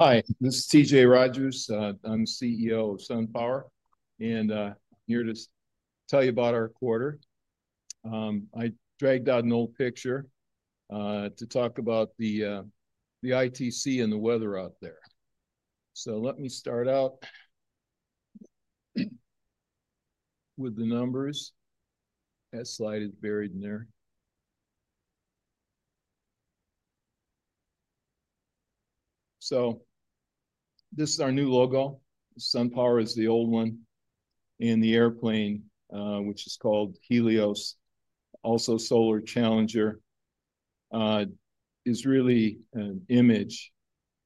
Hi, this is T.J. Rodgers. I'm CEO of Complete Solaria and here to tell you about our quarter. I dragged out an old picture to talk about the ITC and the weather out there. Let me start out with the numbers. That slide is buried in there. This is our new logo. Complete Solaria is the old one. The airplane, which is called Helios, also Solar Challenger, is really an image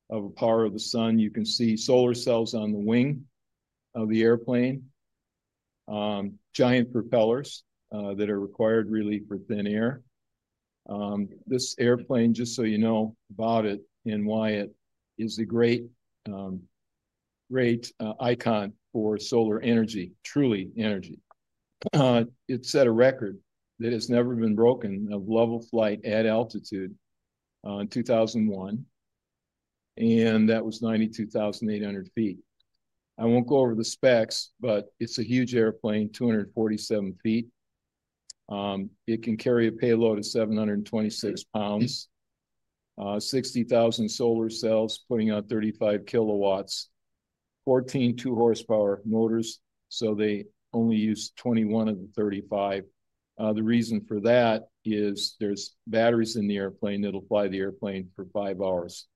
of the power of the sun. You can see solar cells on the wing of the airplane, giant propellers that are required really for thin air. This airplane, just so you know about it and why it is a great, great icon for solar energy, truly energy. It set a record that has never been broken of level flight at altitude in 2001, and that was 92,800 ft. I won't go over the specs, but it's a huge airplane. 247 ft. It can carry a payload of 726 lbs. 60,000 solar cells putting out 35 kW, 142 horsepower motors. They only use 21 of the 35. The reason for that is there's batteries in the airplane that'll fly the airplane for five hours.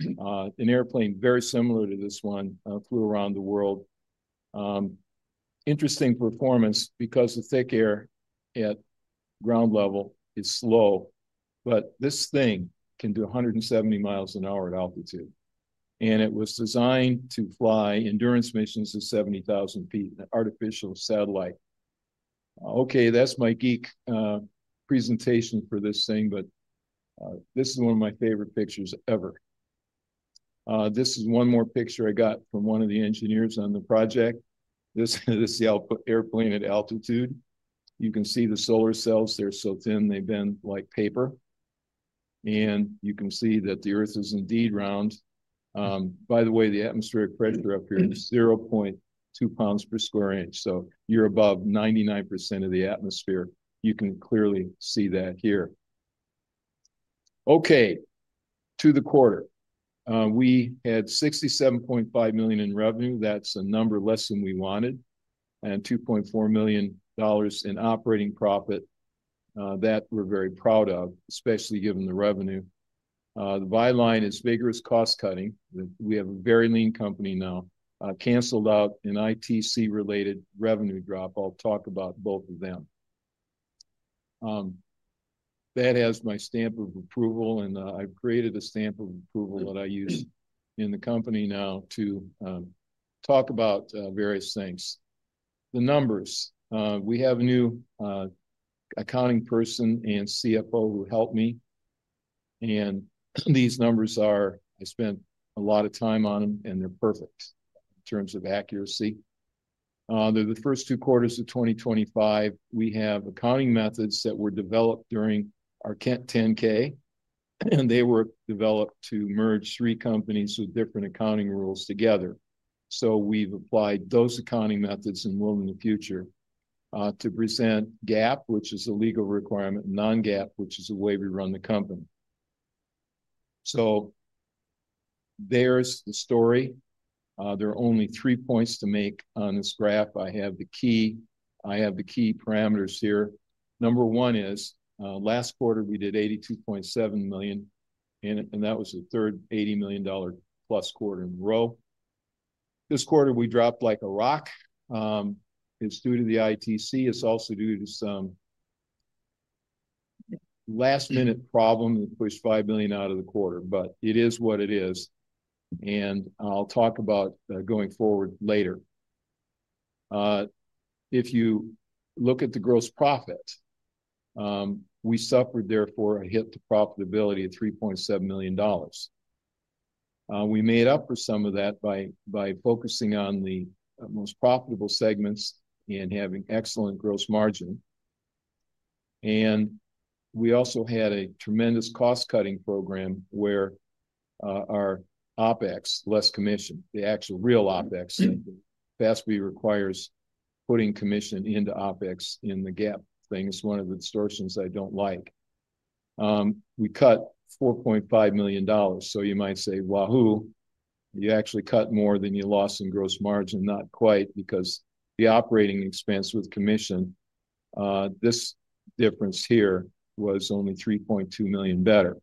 An airplane very similar to this one flew around the world. Interesting performance because the thick air at ground level is slow. This thing can do 170 miles an hour at altitude. It was designed to fly endurance missions to 70,000 ft. An artificial satellite. That's my geek presentation for this thing. This is one of my favorite pictures ever. This is one more picture I got from one of the engineers on the project. This airplane at altitude. You can see the solar cells. They're so thin, they bend like paper. You can see that the earth is indeed round. By the way, the atmospheric pressure up here is 0.2 lbs per square inch. You're above 99% of the atmosphere. You can clearly see that here. To the quarter, we had $67.5 million in revenue. That's a number less than we wanted and $2.4 million in operating profit that we're very proud of, especially given the revenue. The byline is vigorous cost-cutting. We have a very lean company now canceled out, an ITC related revenue drop. I'll talk about both of them. That has my stamp of approval and I've created a stamp of approval that I use in the company now to talk about various things. The numbers. We have a new accounting person and CFO who helped me. These numbers are. I spent a lot of time on them and they're perfect in terms of accuracy the first two quarters of 2025. We have accounting methods that were developed during our 10-K and they were developed to merge three companies with different accounting rules together. We have applied those accounting methods and will in the future to present GAAP, which is a legal requirement, non-GAAP, which is the way we run the company. There are only three points to make on this graph. I have the key parameters here. Number one is last quarter we did $82.7 million and that was the third $80+ million quarter in a row. This quarter we dropped like a rock. It's due to the ITC. It's also due to some last minute problem, pushed $5 million out of the quarter. It is what it is and I'll talk about going forward later. If you look at the gross profit, we suffered, therefore a hit to profitability at $3.7 million. We made up for some of that by focusing on the most profitable segments and having excellent gross margin. We also had a tremendous cost-cutting program where our OpEx less commission, the actual real OpEx, FASB requires putting commission into OpEx in the GAAP thing, it's one of the distortions I don't like. We cut $4.5 million, so you might say, wahoo, you actually cut more than you lost in gross margin. Not quite. Because the operating expense with commission, this difference here was only $3.2 million better.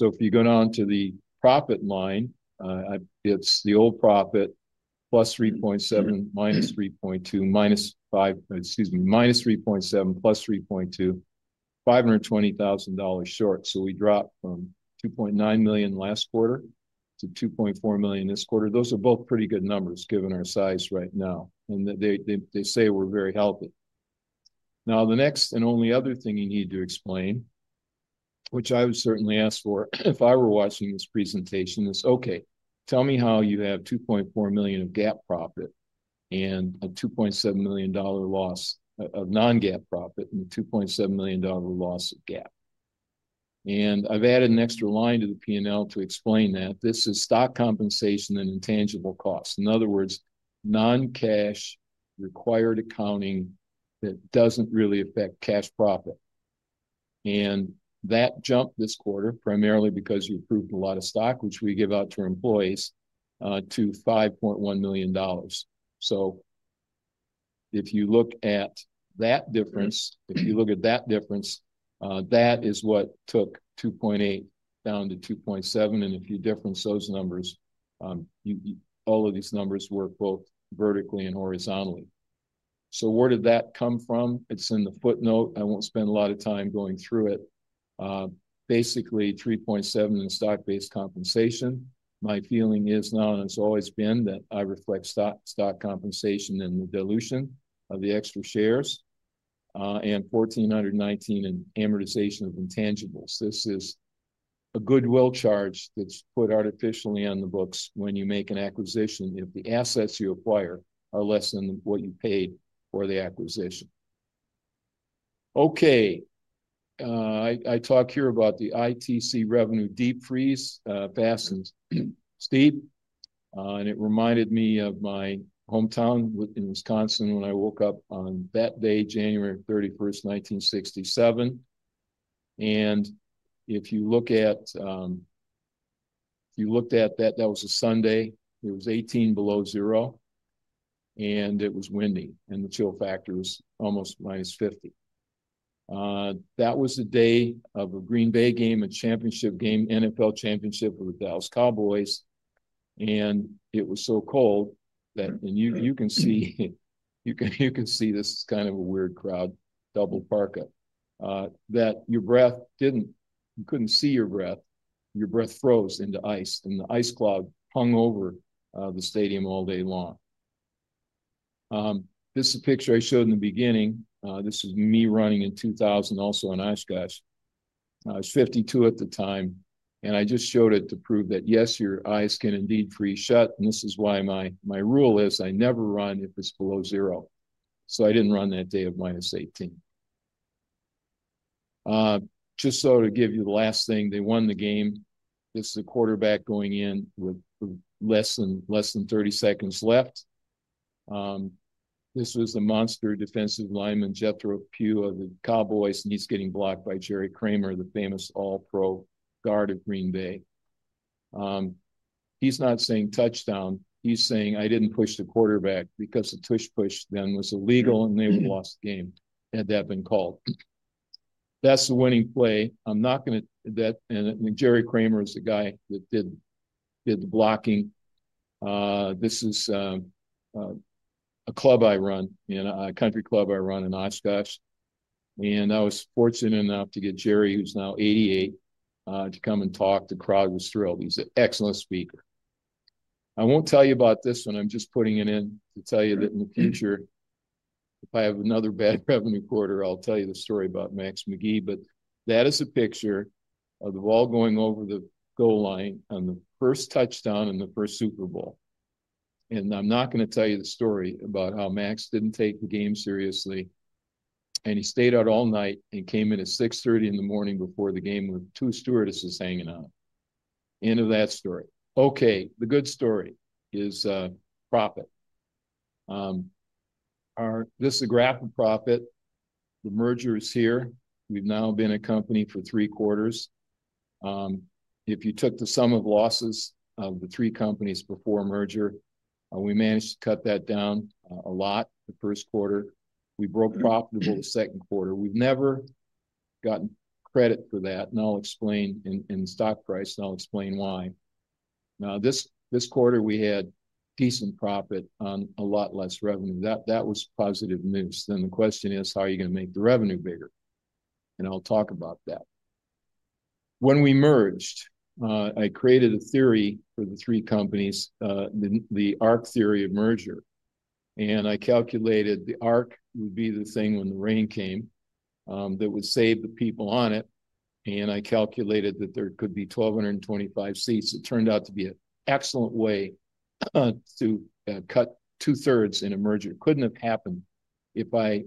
If you go down to the profit line, it's the old profit, +$3.7 million -$3.2 million -$5 million. Excuse me, -$3.7 million +$3.2 million, $520,000 short. We dropped from $2.9 million last quarter to $2.4 million this quarter. Those are both pretty good numbers given our size right now. They say we're very healthy. The next and only other thing you need to explain, which I would certainly ask for if I were watching this presentation, is okay, tell me how you have $2.4 million of GAAP profit and a $2.7 million loss of non-GAAP profit and $2.7 million loss of GAAP. I've added an extra line to the P&L to explain that this is stock compensation and intangible costs. In other words, non-cash required accounting that doesn't really affect cash profit. That jumped this quarter primarily because you approved a lot of stock which we give out to our employees to $5.1 million. If you look at that difference, if you look at that difference, that is what took $2.8 million down to $2.7 million. If you difference those numbers, all of these numbers work both vertically and horizontally. Where did that come from? It's in the footnote. I won't spend a lot of time going through it. Basically $3.7 million in stock-based compensation. My feeling is now, and it's always been, that I reflect stock compensation and the dilution of the extra shares and $14 million, $19 million, and amortization of intangibles. This is a goodwill charge that's put artificially on the books when you make an acquisition if the assets you acquire are less than what you paid for the acquisition. I talk here about the Investment Tax Credit (ITC) revenue deep freeze fasten, Steve. It reminded me of my hometown in Wisconsin when I woke up on that day, January 31, 1967. If you looked at that, that was a Sunday. It was 18 below zero, and it was windy, and the chill factor was almost -50. That was the day of a Green Bay game, a championship game, NFL championship with Dallas Cowboys. It was so cold that your breath froze into ice, and the ice cloud hung over the stadium all day long. This is a picture I showed in the beginning. This is me running in 2000, also in Oshkosh. I was 52 at the time, and I just showed it to prove that, yes, your eyes can indeed freeze shut. This is why my rule is I never run if it's below zero. I didn't run that day of -18. Just to give you the last thing, they won the game. This is a quarterback going in with less than 30 seconds left. This was the monster defensive lineman Jethro Pugh of the Cowboys, and he's getting blocked by Jerry Kramer, the famous All-Pro guard of Green Bay. He's not saying touchdown, he's saying, I didn't push the quarterback because the tush push then was illegal, and they would have lost the game had that been called. That's the winning play. I'm not going to that. Jerry Kramer is the guy that did the blocking. This is a club I run in, a country club I run in Oshkosh. I was fortunate enough to get Jerry, who's now 88, to come and talk. The crowd was thrilled. He's an excellent speaker. I won't tell you about this one, I'm just putting it in to tell you that in the future if I have another bad revenue quarter, I'll tell you the story about Max McGee, but that is a picture of the ball going over the goal line on the first touchdown in the first Super Bowl. I'm not going to tell you the story about how Max didn't take the game seriously and he stayed out all night and came in at 6:30 A.M. before the game with two stewardesses hanging out. End of that story. The good story is profit. This is a graph of profit. The merger is here. We've now been a company for three quarters. If you took the sum of losses of the three companies before merger, we managed to cut that down a lot. The first quarter we broke profitable, the second quarter we've never gotten credit for that. I'll explain in stock price and I'll explain why. Now, this quarter we had decent profit on a lot less revenue. That was positive news. The question is how are you going to make the revenue bigger? I'll talk about that. When we merged, I created a theory for the three companies, the arc theory of merger. I calculated the arc would be the thing when the rain came that would save the people on it. I calculated that there could be 1,225 seats. It turned out to be an excellent way to cut 2/3 in a merger. It couldn't have happened if I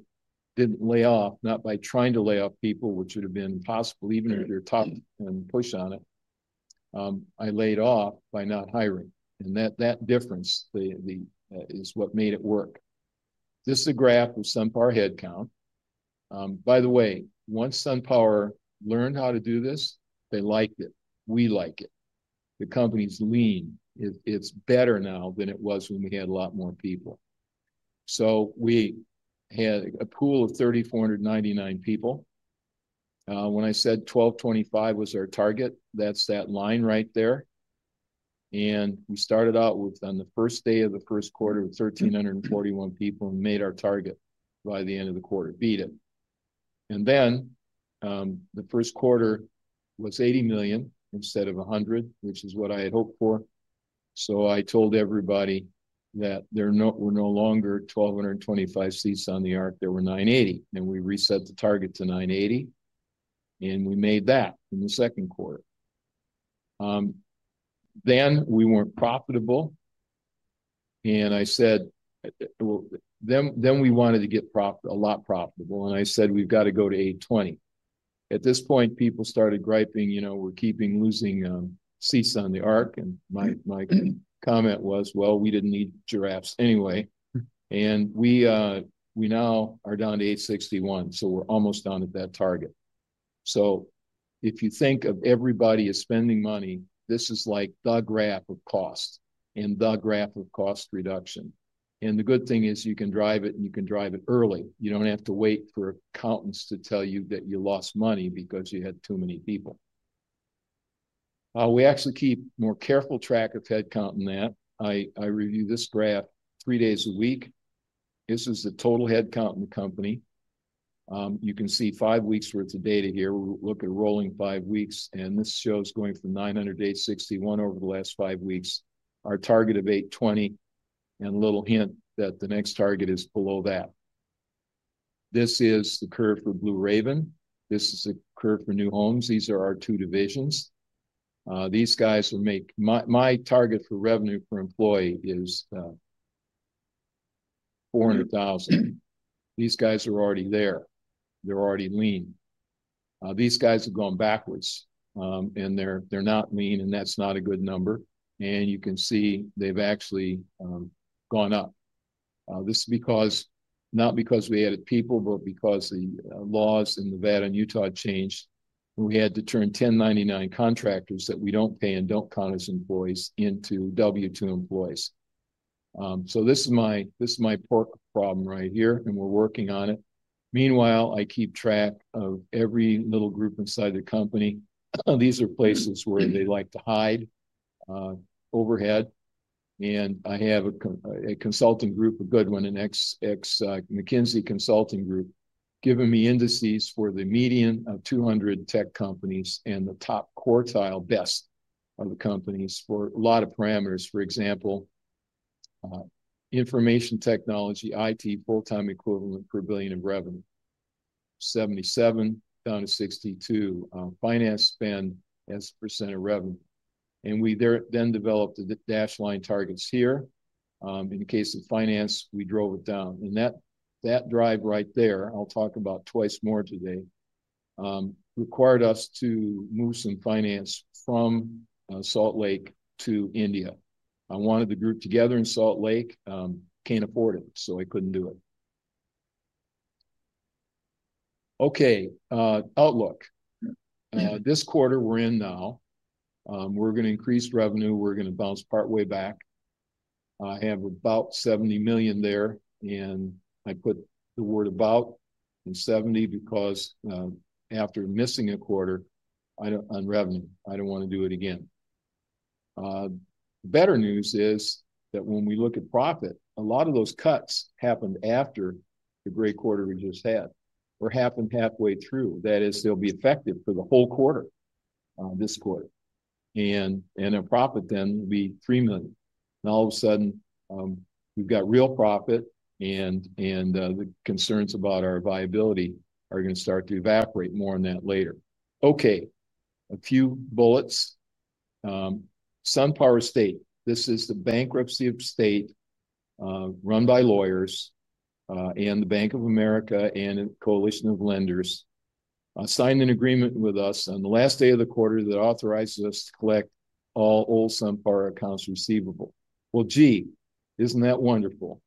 didn't lay off, not by trying to lay off people, which would have been possible even if you're tough and push on it. I laid off by not hiring. That difference is what made it work. This is a graph of Complete Solaria headcount, by the way. Once Complete Solaria learned how to do this, they liked it. We like it. The company's lean. It's better now than it was when we had a lot more people. We had a pool of 3,499 people. When I said 1,225 was our target, that's that line right there. We started out on the first day of the first quarter with 1,341 people and made our target by the end of the quarter, beat it. The first quarter was $80 million instead of $100 million, which is what I had hoped for. I told everybody that there were no longer 1,225 seats on the arc. There were 980. We reset the target to 980 and we made that in the second quarter. We weren't profitable. I said we wanted to get a lot profitable and I said we've got to go to 820. At this point, people started griping, you know, we're keeping losing seats on the arc. My comment was we didn't need giraffes anyway. We now are down to 861. We're almost done at that target. If you think of everybody as spending money, this is like the graph of cost and the graph of cost reduction. The good thing is you can drive it and you can drive it early. You don't have to wait for accountants to tell you that you lost money because you had too many people. We actually keep more careful track of headcount in that. I review this graph three days a week. This is the total headcount in the company. You can see five weeks worth of data here. Look at rolling five weeks. This shows going from 900 to 861 over the last five weeks. Our target of 820 and a little hint that the next target is below that. This is the curve for Blue Raven. This is the curve for New Homes. These are our two divisions. My target for revenue per employee is $400,000. These guys are already there, they're already lean. These guys have gone backwards and they're not lean. That's not a good number. You can see they've actually gone up. This is because, not because we added people, but because the laws in Nevada and Utah changed. We had to turn 1099 contractors that we don't pay and don't count as employees into W2 employees. This is my pork problem right here. We're working on it. Meanwhile, I keep track of every little group inside the company. These are places where they like to hide overhead. I have a consulting group, a good one, an ex-McKinsey consulting group giving me indices for the median of 200 tech companies and the top quartile best of the companies for a lot of parameters. For example, information technology IT full-time equivalent per billion in revenue, 77 down to 62, finance spend as a percent of revenue. We then developed the dash line targets here. In the case of finance, we drove it down. That drive right there, I'll talk about twice more today, required us to move some finance from Salt Lake to India. I wanted the group together in Salt Lake. Can't afford it, so I couldn't do it. Okay, outlook this quarter we're in now. We're going to increase revenue. We're going to bounce partway back. I have about $70 million there and I put the word about and 70 because after missing a quarter on revenue I don't want to do it again. Better news is that when we look at profit, a lot of those cuts happened after the great quarter we just had or happened halfway through, that is, they'll be effective for the whole quarter this quarter and their profit then be $3 million. Now all of a sudden we've got real profit and the concerns about our viability are going to start to evaporate. More on that later. Okay, a few bullets. Complete Solaria State. This is the bankruptcy of state run by lawyers and the Bank of America and coalition of lenders signed an agreement with us on the last day of the quarter that authorizes us to collect all old SunPower accounts receivable. Isn't that wonderful?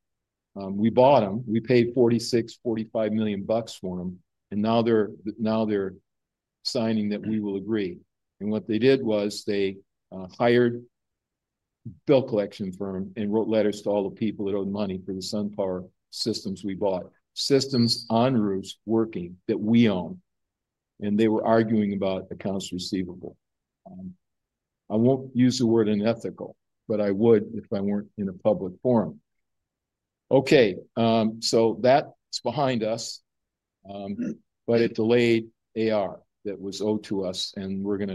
We bought them, we paid $46.45 million for them and now they're signing that we will agree and what they did was they hired a bill collection firm and wrote letters to all the people that owed money for the SunPower systems. We bought systems enroute working that we own and they were arguing about accounts receivable. I won't use the word unethical but I would if I weren't in a public forum. That's behind us but it delayed AR that was owed to us and we're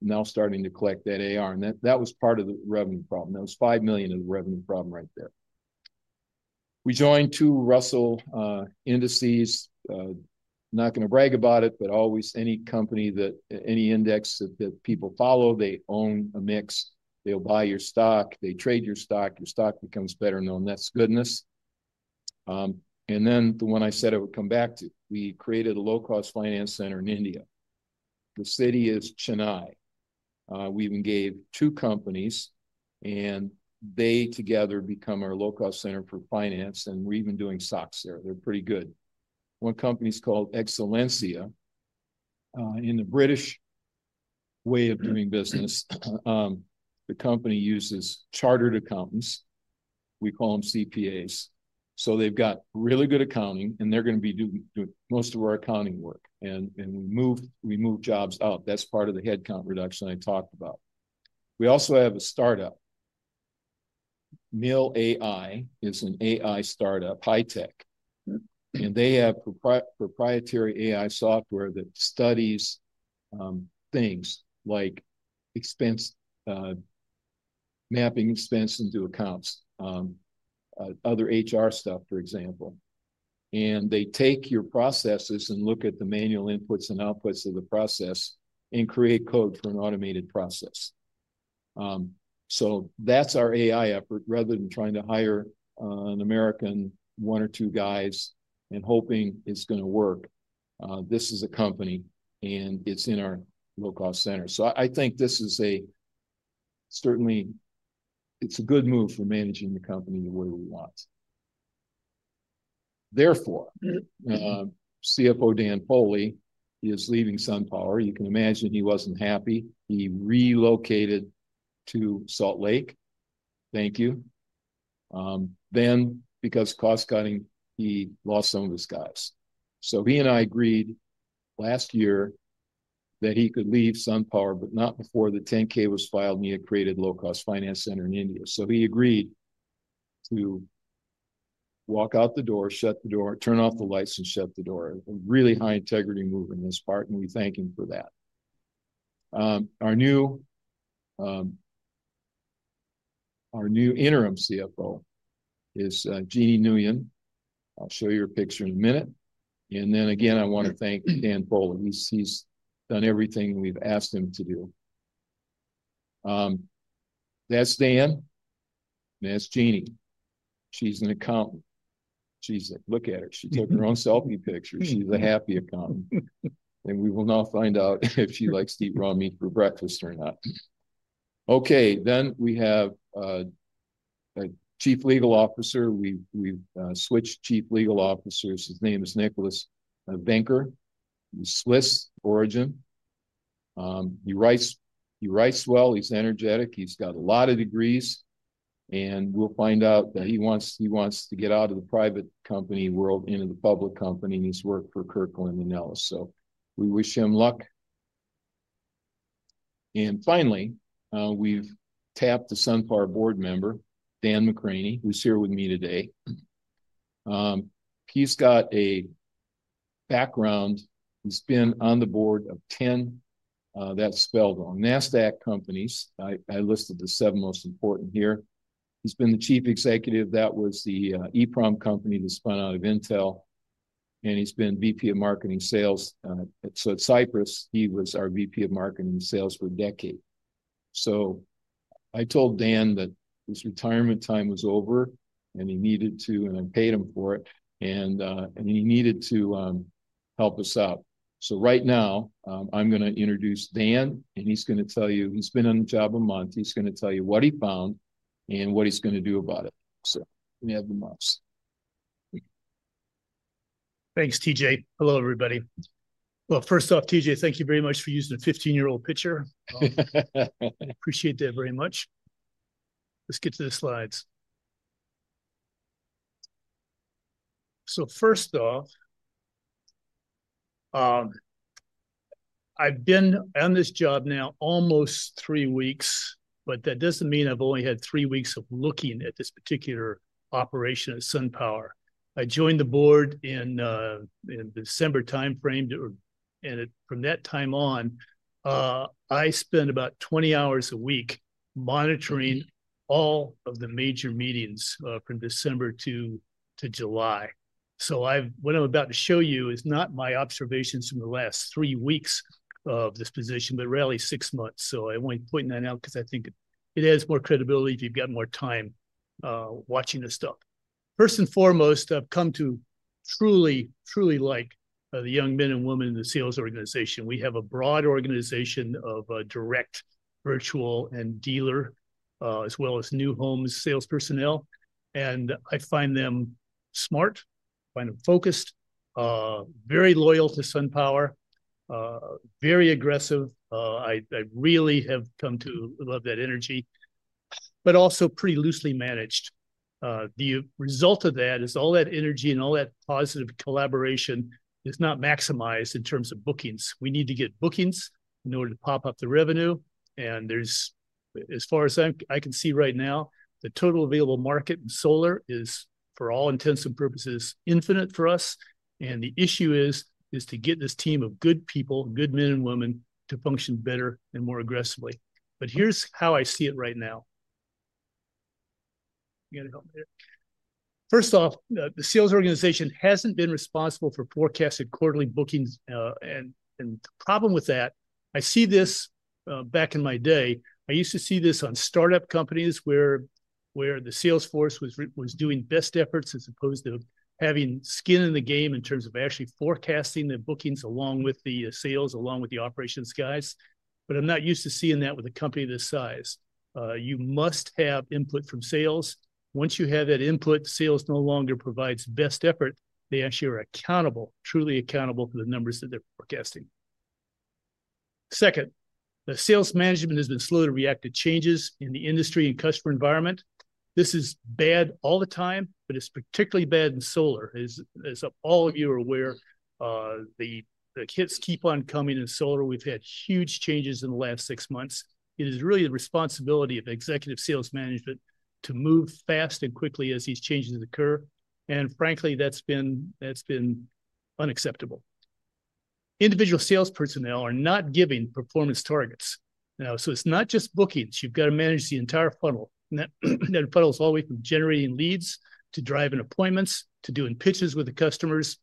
now starting to collect that AR and that was part of the revenue problem. That was $5 million of the revenue problem right there. We joined two Russell indices. Not going to brag about it but any company that any index that people follow, they own a mix, they'll buy your stock, they trade your stock, your stock becomes better known. That's goodness. The one I said I would come back to, we created a low cost finance center in India. The city is Chennai. We even gave two companies and they together become our low cost center for finance. We're even doing stocks there. They're pretty good. One company's called Excellencia in the British way of doing business. The company uses chartered accountants, we call them CPAs. They've got really good accounting and they're going to be doing most of our accounting work and we move jobs out. That's part of the headcount reduction I talked about. We also have a startup Mill.AI is an AI startup, high tech and they have proprietary AI software that studies things like expense mapping expense into accounts, other HR stuff for example and they take your processes and look at the manual inputs and outputs of the process and create code for an automated process. That's our AI effort, rather than trying to hire an American, one or two guys and hoping it's going to work. This is a company and it's in our low cost center. I think this is certainly a good move for managing the company the way we want. Therefore, CFO Dan Foley is leaving SunPower. You can imagine he wasn't happy he relocated to Salt Lake. Thank you. Because cost-cutting, he lost some of his guys. He and I agreed last year that he could leave SunPower, but not before the 10-K was filed and he had created a low-cost finance center in India. He agreed to walk out the door, turn off the lights, and shut the door. Really high integrity move on his part and we thank him for that. Our new interim CFO is Jeannie Nguyen. I'll show you her picture in a minute. I want to thank Dan Foley. He's done everything we've asked him to do. That's Dan. That's Jeannie. She's an accountant. Look at her. She took her own selfie picture. She's a happy accountant. We will now find out if she likes to eat raw meat for breakfast or not. We have a Chief Legal Officer. We switched Chief Legal Officers. His name is Nicholas Banker, Swiss origin. He writes well, he's energetic, he's got a lot of degrees. We will find out that he wants to get out of the private company world into the public company. He's worked for Kirkland Ellis. We wish him luck. Finally, we've tapped the SunPower board member, Dan McCraney, who's here with me today. He's got a background. He's been on the board of ten NASDAQ companies. I listed the seven most important here. He's been the Chief Executive. That was the EEPROM company that spun out of Intel. He's been VP of Marketing Sales. At Cypress, he was our VP of Marketing Sales for a decade. I told Dan that his retirement time was over and he needed to, and I paid him for it, and he needed to help us out. Right now I'm going to introduce Dan and he's going to tell you he's been on the job a month. He's going to tell you what he found and what he's going to do about it. We have the most. Thanks, TJ. Hello everybody. First off, TJ, thank you very much for using a 15 year old pitcher. I appreciate that very much. Let's get to the slides. First off, I've been on this job now almost three weeks, but that doesn't mean I've only had three weeks of looking at this particular operation. At Complete Solaria, I joined the board in December time frame and from that time on I spend about 20 hours a week monitoring all of the major meetings from December to July. What I'm about to show you is not my observations from the last three weeks of this position, but really six months. I want to point that out because I think it adds more credibility if you've got more time watching this stuff. First and foremost, I've come to truly, truly like the young men and women in the sales organization. We have a broad organization of direct, virtual and dealer as well as new homes, sales personnel, and I find them smart, find them focused, very loyal to Complete Solaria, very aggressive. I really have come to love that energy, but also pretty loosely managed. The result of that is all that energy and all that positive collaboration is not maximized in terms of bookings. We need to get bookings in order to pop up the revenue. As far as I can see right now, the total available market in solar is for all intents and purposes infinite for us. The issue is to get this team of good people, good men and women to function better and more aggressively. Here's how I see it right now. First off, the sales organization hasn't been responsible for forecasted quarterly bookings. The problem with that, I see this back in my day I used to see this on startup companies where the salesforce was doing best efforts as opposed to having skin in the game in terms of actually forecasting the bookings along with the sales, along with the operations guys. I'm not used to seeing that with a company this size, you must have input from sales. Once you have that input, sales no longer provides best effort. They actually are accountable, truly accountable for the numbers that they're forecasting. Second, the sales management has been slow to react to changes in the industry and customer environment. This is bad all the time, but it's particularly bad in solar. As all of you are aware of, the hits keep on coming. In solar, we've had huge changes in the last six months. It is really the responsibility of executive sales management to move fast and quickly as these changes occur. Frankly, that's been unacceptable. Individual sales personnel are not given performance targets. It's not just bookings. You've got to manage the entire funnel that funnels all the way from generating leads to driving appointments, to doing pitches with the customers,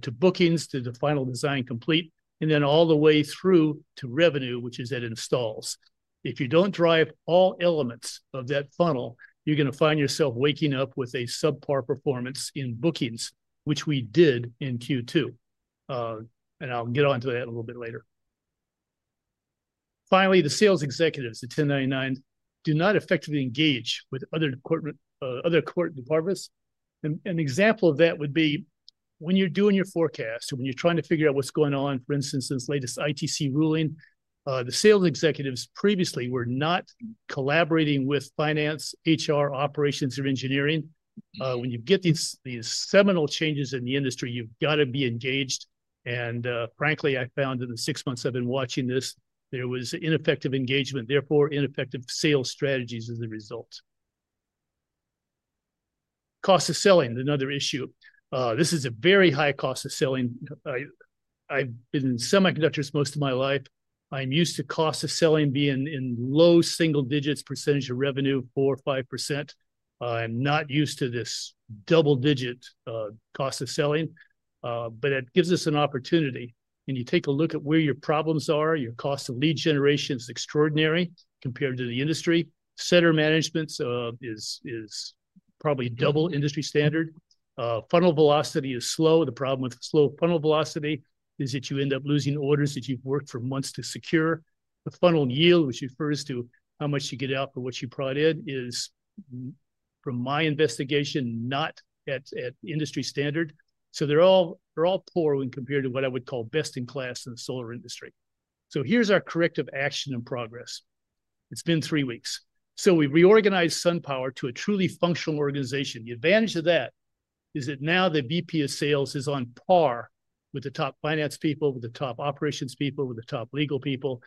to bookings, to the final design complete and then all the way through to revenue, which is at installs. If you don't drive all elements of that funnel, you're going to find yourself waking up with a subpar performance in bookings, which we did in Q2. I'll get on to that a little bit later. Finally, the sales executives at 1099 do not effectively engage with other core departments. An example of that would be when you're doing your forecast, when you're trying to figure out what's going on. For instance, this latest ITC ruling. The sales executives previously were not collaborating with finance, HR, operations or engineering. When you get these seminal changes in the industry, you've got to be engaged. Frankly, I found in the six months I've been watching this, there was ineffective engagement, therefore ineffective sales strategies as a result. Cost of selling is another issue. This is a very high cost of selling. I've been in semiconductors most of my life. I'm used to cost of selling being in low single digits, percentage of revenue, 4% or 5%. I'm not used to this double-digit cost of selling, but it gives us an opportunity and you take a look at where your problems are. Your cost of lead generation is extraordinary compared to the industry standard. Management is probably double industry standard. Funnel velocity is slow. The problem with slow funnel velocity is that you end up losing orders that you've worked for months to secure. The funnel yield, which refers to how much you get out for what you brought in, is from my investigation not at industry standard. They're all poor when compared to what I would call best in class in the solar industry. Here's our corrective action and progress. It's been three weeks, so we've reorganized Complete Solaria to a truly functional organization. The advantage of that is that now the VP of Sales is on par with the top finance people, with the top operations people, with the top legal people.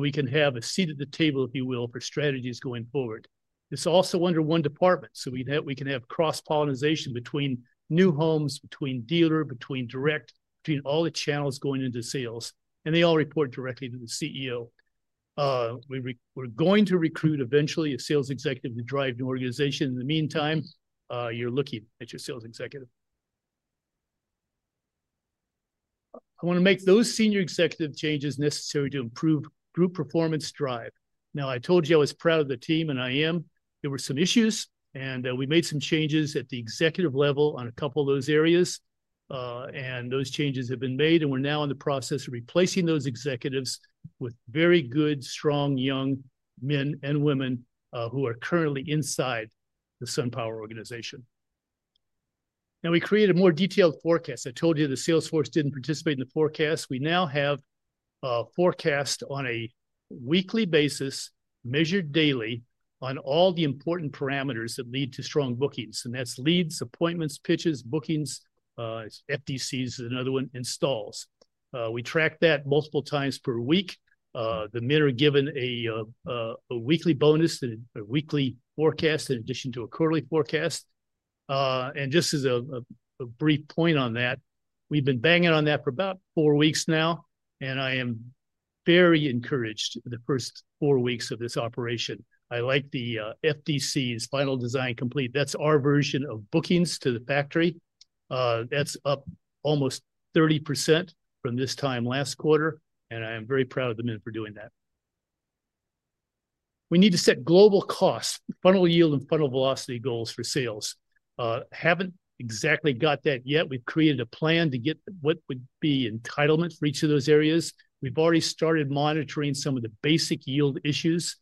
We can have a seat at the table, if you will, for strategies going forward. It's also under one department, so we can have cross-pollinization between new homes, between dealer, between direct, between all the channels going into sales, and they all report directly to the CEO. We're going to recruit eventually a sales executive to drive the organization. In the meantime, you're looking at your sales executive. I want to make those Senior Executive changes necessary to improve group performance. Drive. I told you I was proud of the team and I am. There were some issues and we made some changes at the executive level on a couple of those areas, and those changes have been made. We're now in the process of replacing those executives with very good, strong young men and women who are currently inside the Complete Solaria organization. Now we create a more detailed forecast. I told you the salesforce didn't participate in the forecast. We now have forecasts on a weekly basis, measured daily on all the important parameters that lead to strong bookings. That's leads, appointments, pitches, bookings. FDCs is another one, installs. We track that multiple times per week. The men are given a weekly bonus, a weekly forecast in addition to a quarterly forecast. Just as a brief point on that, we've been banging on that for about four weeks now, and I am very encouraged. The first four weeks of this operation, I like the FDCs, final design complete. That's our version of bookings to the factory. That's up almost 30% from this time last quarter, and I am very proud of the Mint for doing that. We need to set global costs, funnel yield, and funnel velocity goals for sales. Haven't exactly got that yet. We've created a plan to get what would be entitlement for each of those areas. We've already started monitoring some of the basic yield issues.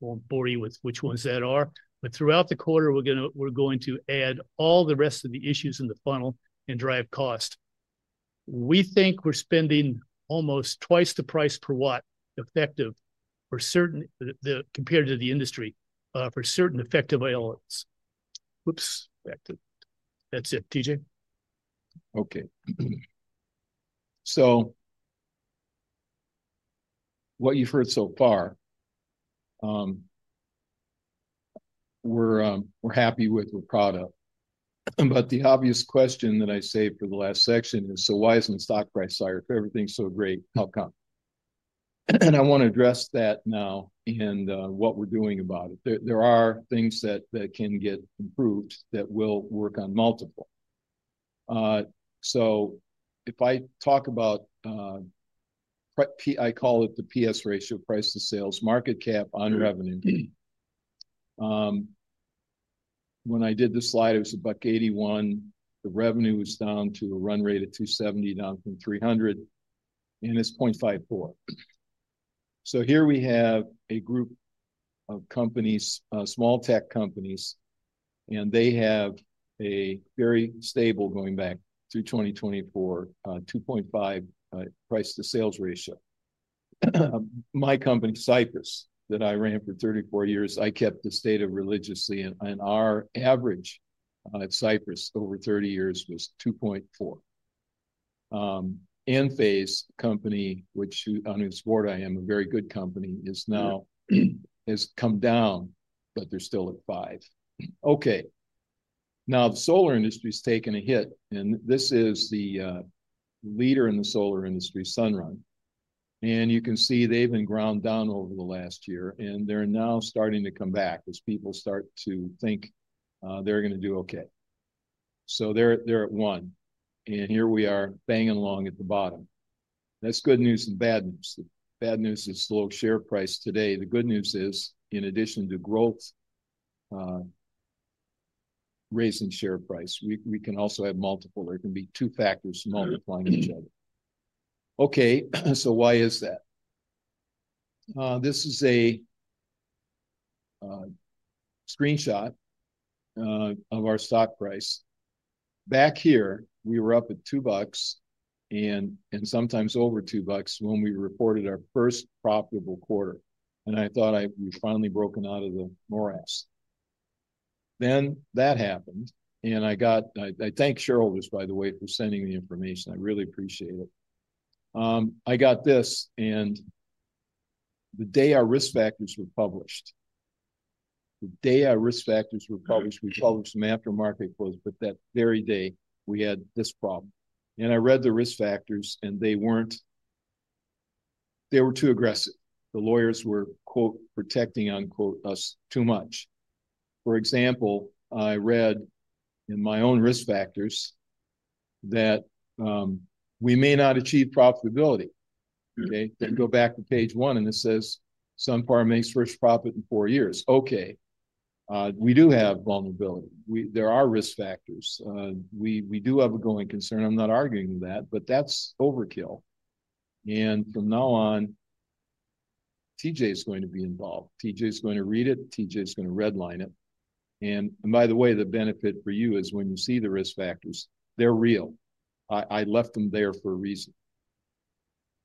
Won't bore you with which ones that are, but throughout the quarter we're going to add all the rest of the issues in the funnel and drive cost. We think we're spending almost twice the price per watt, effective for certain compared to the industry for certain effective ailments. Whoops. Back to that's it. Okay, so what you've heard so far, we're happy with Repado but the obvious question that I saved for the last section is, why isn't stock price higher? If everything's so great, how come. I want to address that now and what we're doing about it. There are things that can get improved that will work on multiple, so if I talk about P, I call it the P/S ratio, price to sales, market cap on revenue. When I did the slide, it was $1.81. The revenue was down to a run rate of $270 million, down from $300 million, and it's 0.54. Here we have a group of companies, small tech companies, and they have a very stable, going back through 2024, 2.5 price to sales ratio. My company, Cypress, that I ran for 34 years, I kept the state of religiously and our average at Cypress over 30 years was 2.4. Enphase, which, on whose board I am, a very good company, is now, has come down, but they're still at 5. Now the solar industry's taking a hit and this is the leader in the solar industry, SunPower. You can see they've been ground down over the last year and they're now starting to come back as people start to think they're going to do okay. They're at 1 and here we are banging along at the bottom. That's good news and bad news. The bad news is the low share price today. The good news is, in addition to growth raising share price, we can also have multiple. There can be two factors multiplying each other. Okay, so why is that? This is a screenshot of our stock price back here. We were up at $2 and sometimes over $2 when we reported our first profitable quarter. I thought I finally broken out of the morass. That happened. I thank shareholders, by the way, for sending the information. I really appreciate it. I got this. The day our risk factors were published, the day our risk factors were published, we published them after market closed. That very day we had this problem. I read the risk factors and they weren't, they were too aggressive. The lawyers were, quote, protecting, unquote, us too much. For example, I read in my own risk factors that we may not achieve profitability. Go back to page one and it says, Complete Solaria makes first profit in four years. We do have vulnerability. There are risk factors. We do have a going concern. I'm not arguing that, but that's overkill. From now on, TJ is going to be involved. TJ's going to read it. TJ's going to redline it. By the way, the benefit for you is when you see the risk factors, they're real. I left them there for a reason.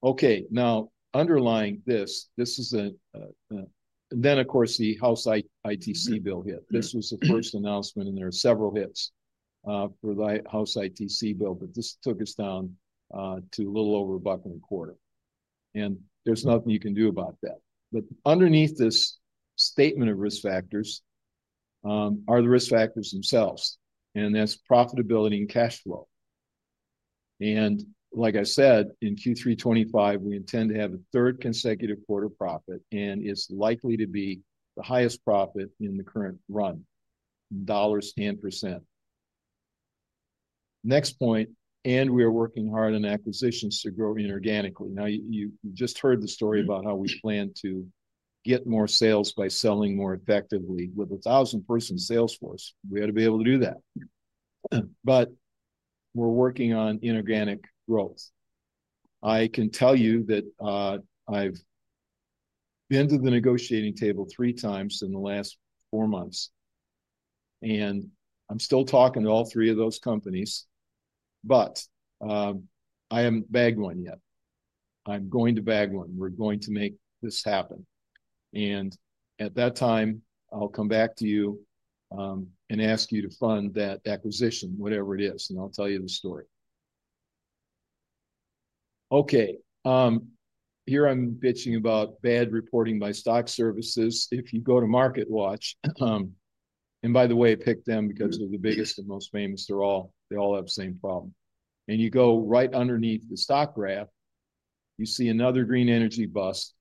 Okay? Underlying this, this is a. Of course, the House ITC bill hit. This was the first announcement, and there are several hits for the House ITC bill, but this took us down to a little over $1.25. There's nothing you can do about that. Underneath this statement of risk factors are the risk factors themselves, and that's profitability and cash flow. Like I said in Q3 2025, we intend to have a third consecutive quarter profit and it's likely to be the highest profit in the current run. Dollars, 10%. Next point. We are working hard on acquisitions to grow inorganically. You just heard the story about how we plan to get more sales by selling more effectively. With a 1,000 person salesforce, we ought to be able to do that. We're working on inorganic growth. I can tell you that I've been to the negotiating table three times in the last four months and I'm still talking to all three of those companies. I haven't bagged one yet. I'm going to bag one. We're going to make this happen. At that time, I'll come back to you and ask you to fund that acquisition, whatever it is, and I'll tell you the story. Okay? Here I'm bitching about bad reporting by stock services. If you go to Market Watch, and by the way, pick them because they're the biggest and most famous, they all have the same problem. You go right underneath the stock graph, you see another green energy bust.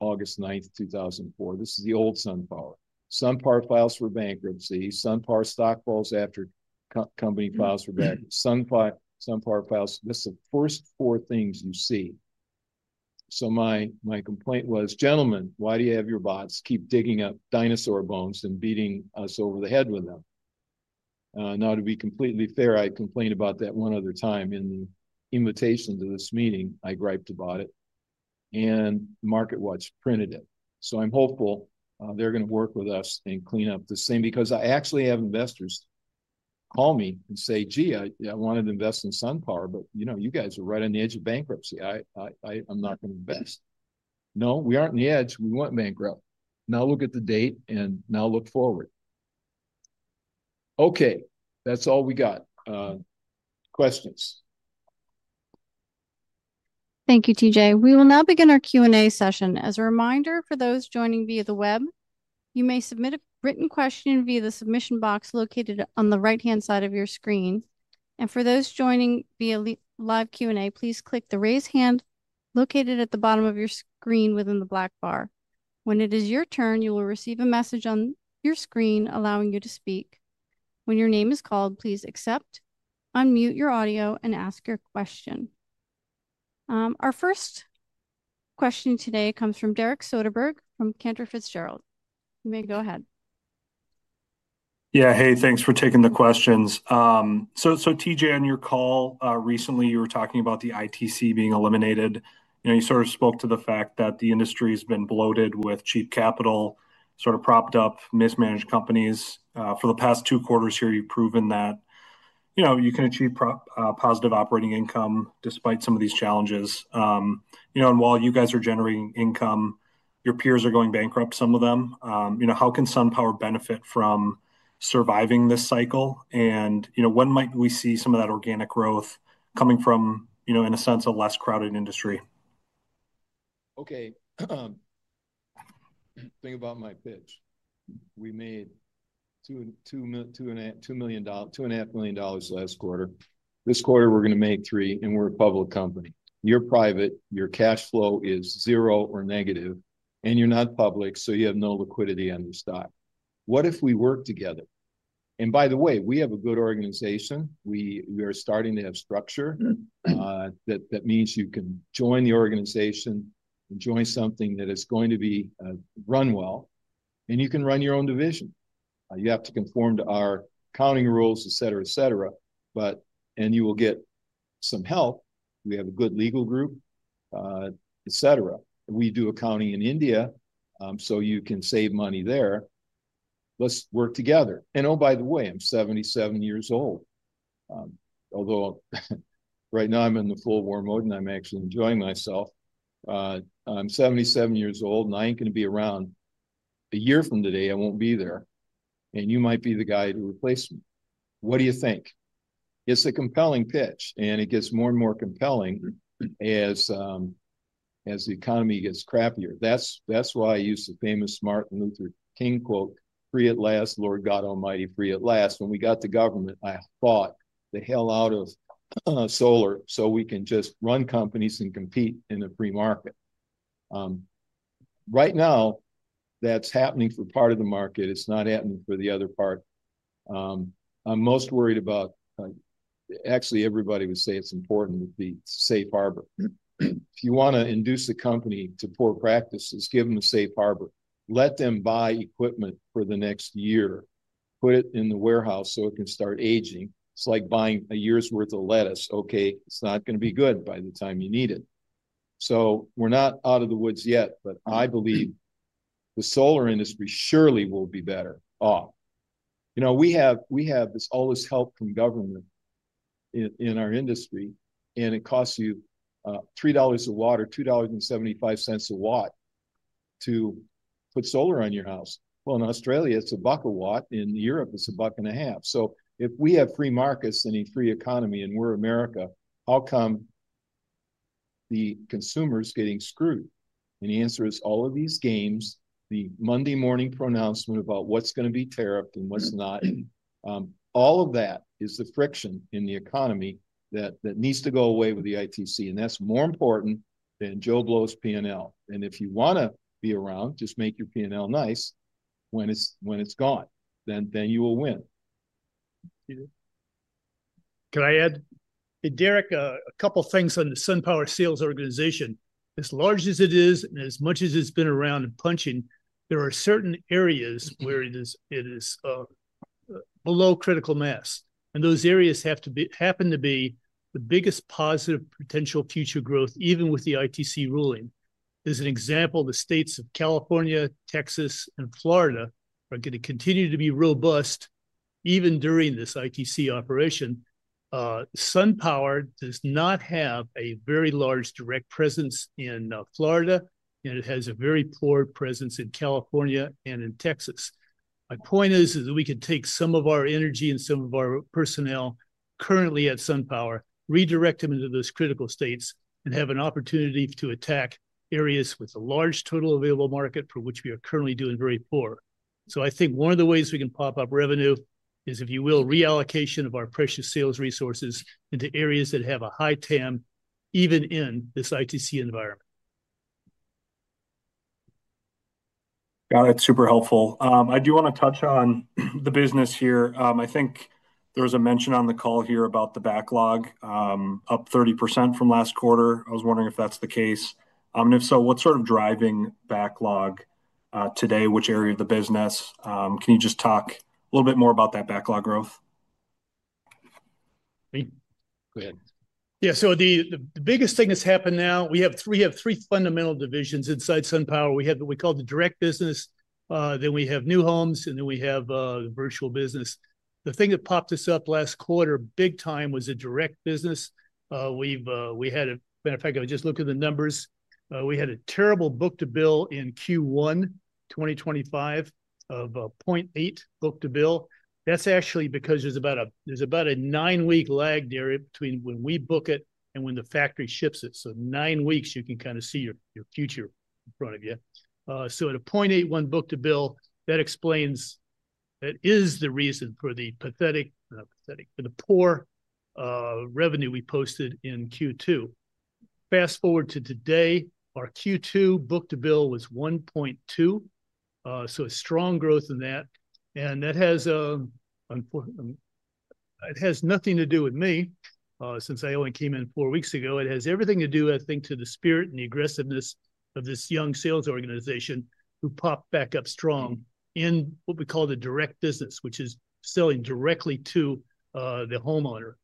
August 9, 2004. This is the old Sunflower. Sun PAR files for bankruptcy. Sun PAR stock falls after company files for bankruptcy. Sun PAR files. This is the first four things you see. My complaint was, gentlemen, why do you have your bots keep digging up dinosaur bones and beating us over the head with them? To be completely fair, I complained about that one other time in invitation to this meeting. I griped about it and Market Watch printed it. I'm hopeful they're going to work with us and clean up the same. I actually have investors call me and say, gee, I wanted to invest in Complete Solaria, but you know, you guys are right on the edge of bankruptcy. I'm not going to invest. No, we aren't on the edge. We want bankruptcy. Now look at the date. Now look forward. Okay, that's all we got. Questions? Thank you, T.J. We will now begin our Q&A session. As a reminder for those joining via the web, you may submit a written question via the submission box located on the right-hand side of your screen. For those joining via live Q&A, please click the raise hand located at the bottom of your screen within the black bar. When it is your turn, you will receive a message on your screen allowing you to speak when your name is called. Please accept, unmute your audio, and ask your question. Our first question today comes from Derek Soderberg from Cantor Fitzgerald. You may go ahead. Yeah. Hey, thanks for taking the questions. TJ, on your call recently, you were talking about the ITC being eliminated. You spoke to the fact that the industry has been bloated with cheap capital, propped up mismanaged companies for the past two quarters. Here, you've proven that you can achieve positive operating income despite some of these challenges. While you guys are generating income, your peers are going bankrupt, some of them. How can Complete Solaria benefit from surviving this cycle? When might we see some of that organic growth coming from, in a sense, a less crowded industry? Okay, think about my pitch. We made $2 million, $2.5 million last quarter. This quarter we're going to make $3 million. We're a public company. You're private. Your cash flow is zero or negative, and you're not public, so you have no liquidity on your stock. What if we work together? By the way, we have a good organization. We are starting to have structure. That means you can join the organization and join something that is going to be run well, and you can run your own division. You have to conform to our accounting rules, et cetera, et cetera, and you will get some help. We have a good legal group, etc. We do accounting in India, so you can save money there. Let's work together. By the way, I'm 77 years old, although right now I'm in full war mode and I'm actually enjoying myself. I'm 77 years old and I ain't going to be around a year from today. I won't be there. You might be the guy to replace me. What do you think? It's a compelling pitch. It gets more and more compelling as the economy gets crappier. That's why I use the famous Martin Luther King quote, free at last, Lord God Almighty, free at last. When we got the government, I fought the hell out of solar. We can just run companies and compete in a free market. Right now that's happening for part of the market. It's not happening for the other part. I'm most worried about, actually. Everybody would say it's important that the safe harbor. You want to induce a company to poor practices, give them a safe harbor, let them buy equipment for the next year, put it in the warehouse so it can start aging. It's like buying a year's worth of lettuce, okay, it's not going to be good by the time you need it. We're not out of the woods yet, but I believe the solar industry surely will be better off. We have all this help from government in our industry and it costs you $3 a watt, $2.75 a watt to put solar on your house. In Australia it's $1 a watt. In Europe it's $1.5 a watt. If we have free markets and a free economy and we're America, how come the consumer's getting screwed? The answer is all of these games. The Monday morning pronouncement about what's going to be tariff and what's not, all of that is the friction in the economy that needs to go away with the ITC. That's more important than Joe Blow's P&L. If you want to be around, just make your P&L nice when it's gone, then you will win. Can I add, Derek, a couple of things on the Complete Solaria sales organization? As large as it is and as much as it's been around and punching, there are certain areas where it is below critical mass, and those areas happen to be the biggest positive potential future growth. Even with the ITC ruling as an example, the states of California, Texas, and Florida are going to continue to be robust even during this ITC operation. Complete Solaria does not have a very large direct presence in Florida, and it has a very poor presence in California and in Texas. My point is that we could take some of our energy and some of our personnel currently at Complete Solaria, redirect them into those critical states, and have an opportunity to attack areas with a large total available market for which we are currently doing very poor. I think one of the ways we can pop up revenue is, if you will, reallocation of our precious sales resources into areas that have a high TAM even in this ITC environment. Got it. Super helpful. I do want to touch on the business here. I think there was a mention on the call here about the backlog, up 30% from last quarter. I was wondering if that's the case. If so, what's sort of driving backlog today? Which area of the business? Can you just talk a little bit more about that backlog growth? Go ahead. Yeah. The biggest thing that's happened now is we have three fundamental divisions inside Complete Solaria. We have what we call the direct business, then we have new homes, and then we have the virtual business. The thing that popped us up last quarter big time was the direct business. As a matter of fact, I just looked at the numbers. We had a terrible book to bill in Q1 2025 of 0.8 book to bill. That's actually because there's about a nine week lag there between when we book it and when the factory ships it. Nine weeks, you can kind of see your future in front of you. At a 0.81 book to bill, that explains the reason for the poor revenue we posted in Q2. Fast forward to today, our Q2 book to bill was 1.2. Strong growth in that. It has nothing to do with me since I only came in four weeks ago. It has everything to do, I think, with the spirit and the aggressiveness of this young sales organization who popped back up strong in what we call the direct business, which is selling directly to the homeowner.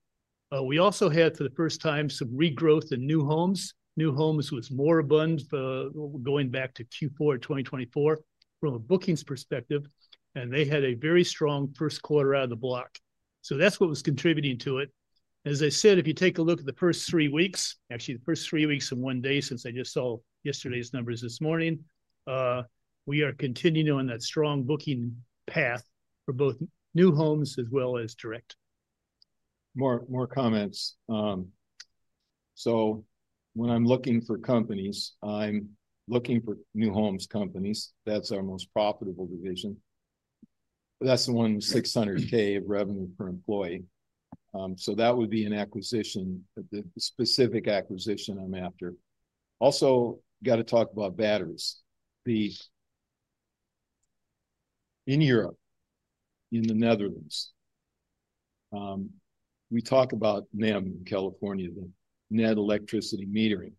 We also had, for the first time, some regrowth in new homes. New homes was more abundant going back to Q4 2024 from a bookings perspective, and they had a very strong first quarter out of the block. That's what was contributing to it. As I said, if you take a look at the first three weeks, actually the first three weeks and one day since I just saw yesterday's numbers this morning, we are continuing on that strong booking path for both new homes as well as direct. More comments. When I'm looking for companies, I'm looking for new homes companies. That's our most profitable division. That's the $1.6 million of revenue per employee. That would be an acquisition. The specific acquisition I'm after also got to talk about batteries. In Europe, in the Netherlands, we talk about NEM. In California, the net electricity metering.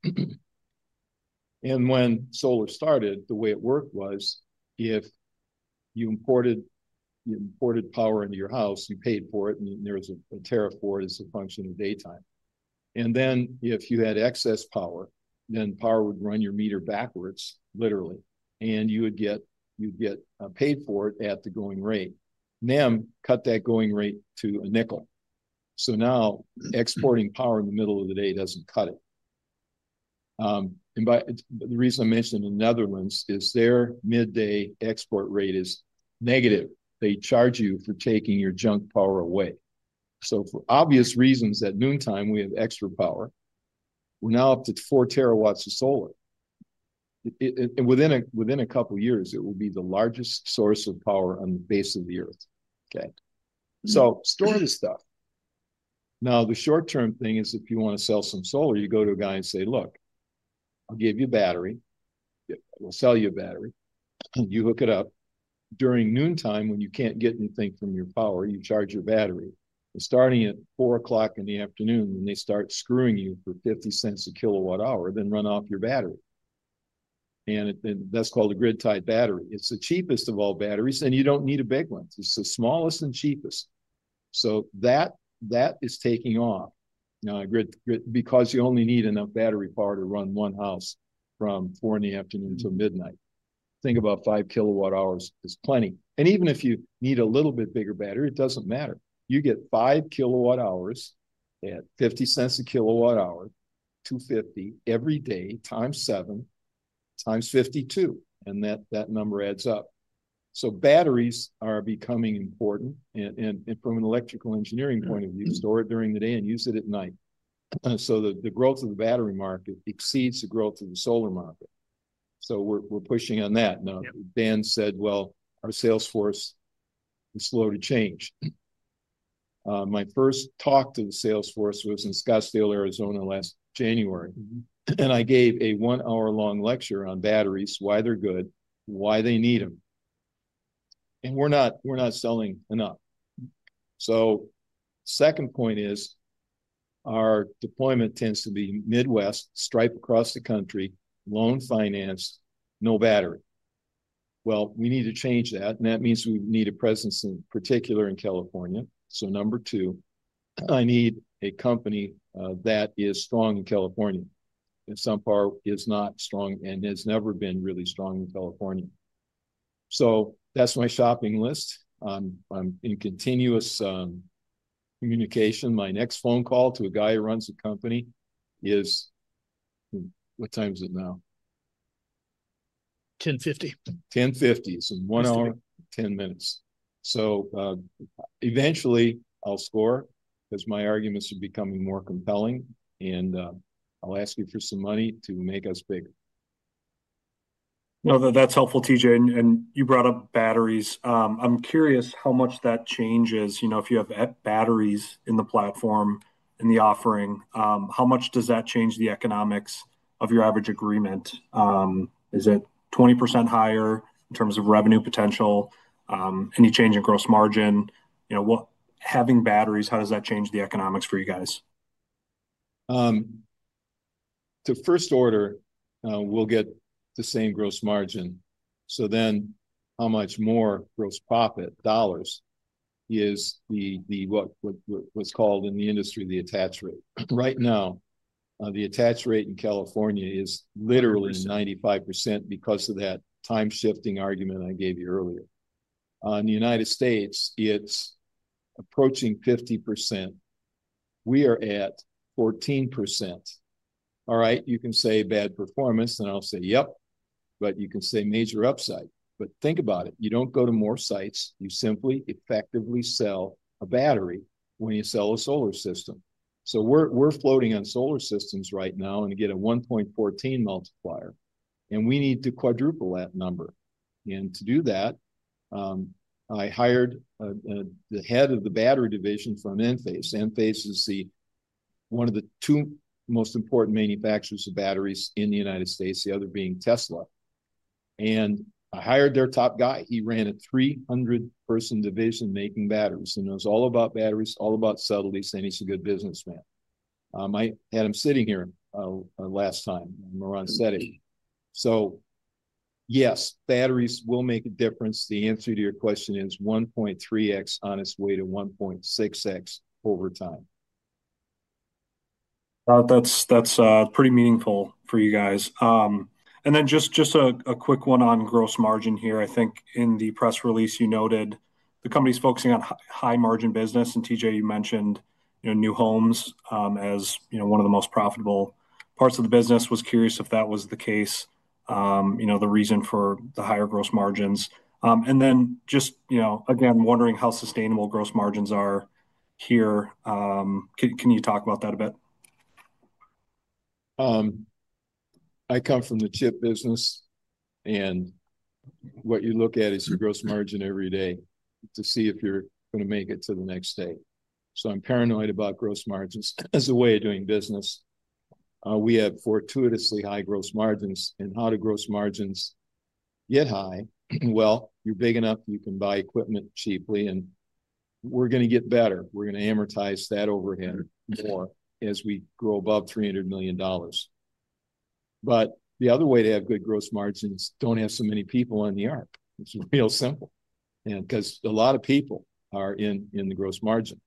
When solar started, the way it worked was if you imported power into your house, you paid for it and there's a tariff for it as a function of daytime. If you had excess power, then power would run your meter backwards literally and you would get paid for it at the going rate. NEM cut that going rate to $0.05. Now exporting power in the middle of the day doesn't cut it. The reason I mention the Netherlands is their midday export rate is negative. They charge you for taking your junk power away. For obvious reasons, at noontime we have extra power. We're now up to 4 tW of solar and within a couple years, it will be the largest source of power on the base of the earth. Store the stuff. The short term thing is if you want to sell some solar, you go to a guy and say, look, we'll give you a battery, we'll sell you a battery, you hook it up during noontime when you can't get anything from your power. You charge your battery starting at 4:00 P.M. and they start screwing you for $0.50 a kilowatt hour, then run off your battery. That's called a grid type battery. It's the cheapest of all batteries and you don't need a big one. It's the smallest and cheapest. That is taking off now because you only need enough battery power to run one house from 4:00 P.M. till midnight. Think about 5 kWh is plenty. Even if you need a little bit bigger battery, it doesn't matter. You get 5 kWh at $0.50 a kilowatt hour, $2.50 every day times 7, times 52 and that number adds up. Batteries are becoming important and from an electrical engineering point of view, store it during the day and use it at night. The growth of the battery market exceeds the growth of the solar market. We're pushing on that now. Dan said our salesforce is slow to change. My first talk to the salesforce was in Scottsdale, Arizona last January and I gave a one hour long lecture on batteries, why they're good, why they need them and we're not selling enough. The second point is our deployment tends to be Midwest stripe across the country, loan financed, no battery. We need to change that, and that means we need a presence in particular in California. Number two, I need a company that is strong in California, and Complete Solaria is not strong and has never been really strong in California. That's my shopping list. I'm in continuous communication. My next phone call to a guy who runs a company is what time is it now? 10:50. One hour, 10 minutes. Eventually I'll score because my arguments are becoming more compelling. I'll ask you for some money to make us bigger. No, that's helpful, T.J., and you brought up batteries. I'm curious how much that changes, you know, if you have batteries in the platform, in the offering, how much does that change the economics of your average agreement? Is it 20% higher in terms of revenue potential? Any change in gross margin? You know what, having batteries, how does that change the economics for you guys. The first order, we'll get the same gross margin. Then how much more gross profit dollars is the, what was called in the industry the attach rate? Right now the attach rate in California is literally 95% because of that time shifting argument I gave you earlier. On the U.S. it's approaching 50%. We are at 14%. You can say bad performance and I'll say yep, but you can say major upside. Think about it, you don't go to more sites. You simply effectively sell a battery when you sell a solar system. We're floating on solar systems right now. Again, a 1.14 multiplier. We need to quadruple that number. To do that I hired the head of the battery division from Enphase. Enphase is one of the two most important manufacturers of batteries in the United States, the other being Tesla. I hired their top guy, he ran a 300 person division making batteries and it was all about batteries, all about subtlety, saying he's a good businessman. I had him sitting here last time. Yes, batteries will make a difference. The answer to your question is 1.3x on its way to 1.6x over time. That's pretty meaningful for you guys. Just a quick one on gross margin here. I think in the press release you noted the company's focusing on high margin business, and T.J., you mentioned new homes as one of the most profitable parts of the business. Was curious if that was the case, the reason for the higher gross margins. Just again wondering how sustainable gross margins are here. Can you talk about that a bit? I come from the chip business, and what you look at is your gross margin every day to see if you're going to make it to the next day. I'm paranoid about gross margins as a way of doing business. We have fortuitously high gross margins. How do gross margins get high? You're big enough, you can buy equipment cheaply, and we're going to get better. We're going to amortize that overhead more as we grow above $300 million. The other way to have good gross margins is don't have so many people on the arc. It's real simple, because a lot of people are in the gross margin.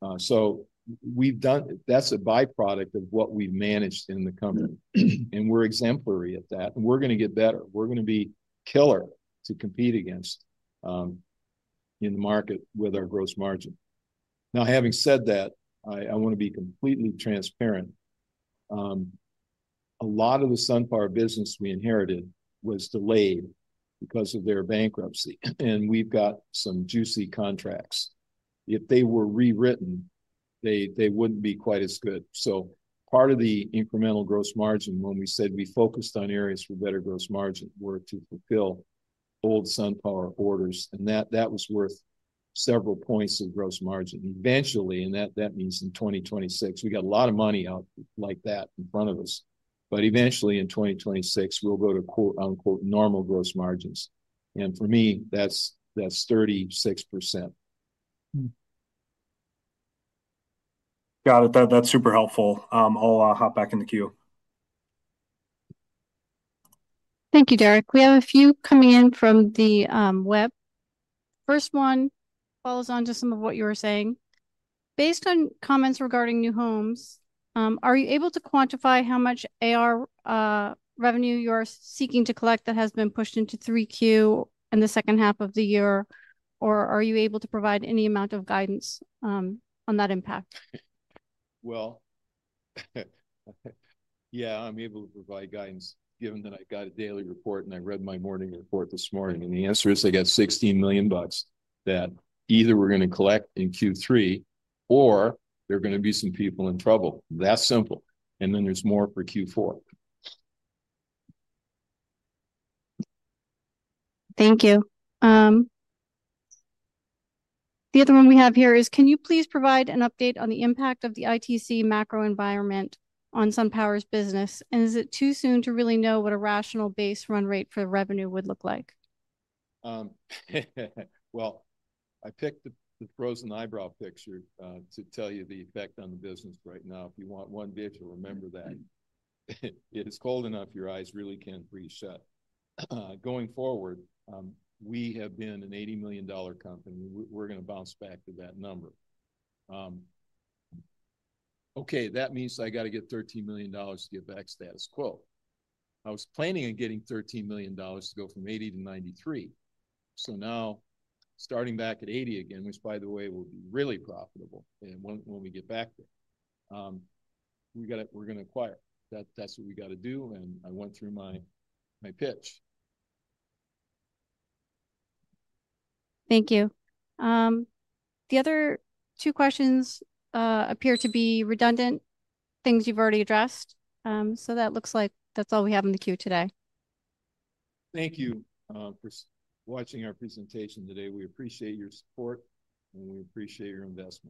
That's a byproduct of what we've managed in the company, and we're exemplary at that. We're going to get better. We're going to be killer to compete against in the market with our gross margin. Now, having said that, I want to be completely transparent. A lot of the Complete Solaria business we inherited was delayed because of their bankruptcy. We've got some juicy contracts. If they were rewritten, they wouldn't be quite as good. Part of the incremental gross margin, when we said we focused on areas for better gross margin, were to fulfill old Complete Solaria orders, and that was worth several points of gross margin eventually. That means in 2026 we got a lot of money out like that in front of us. Eventually in 2026, we'll go to "normal" gross margins. For me, that's 36%. Got it. That's super helpful. I'll hop back in the queue. Thank you, Derek. We have a few coming in from the web. The first one follows on to some of what you were saying. Based on comments regarding new homes, are you able to quantify how much accounts receivable revenue you are seeking to collect that has been pushed into Q3 in the second half of the year, or are you able to provide any amount of guidance on that impact? I'm able to provide guidance given that I got a daily report and I read my morning report this morning, and the answer is I got $16 million that either we're going to collect in Q3 or there are going to be some people in trouble. That simple. There's more for Q4. Thank you. The other one we have here is can you please provide an update on the impact of the ITC macro environment on Complete Solaria's business? Is it too soon to really know what a rational base run rate for revenue would look like? I picked the frozen eyebrow picture to tell you the effect on the business right now. If you want one visual, remember that it is cold enough. Your eyes really can't breathe shut. Going forward, we have been an $80 million company. We're going to bounce back to that number. That means I got to get $13 million to get back status quo. I was planning on getting $13 million to go from $80 million to $93 million. Now starting back at $80 million again, which, by the way, will be really profitable when we get back there, we're going to acquire that. That's what we got to do. I went through my pitch. Thank you. The other two questions appear to be redundant things you've already addressed. That looks like that's all we have in the queue today. Thank you for watching our presentation today. We appreciate your support, and we appreciate your investment.